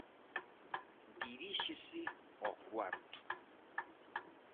Diríxese ao cuarto.